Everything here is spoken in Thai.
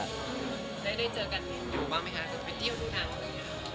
ได้เจอกันอยู่บ้างไหมคะไปเที่ยวดูหนังอะไรอย่างนี้